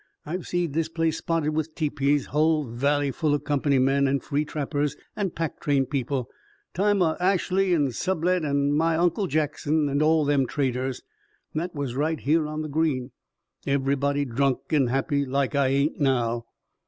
I've seed this place spotted with tepees hull valley full o' Company men an' free trappers an' pack train people time o' Ashley an' Sublette an' my Uncle Jackson an' all them traders. That was right here on the Green. Ever'body drunk an' happy, like I ain't now.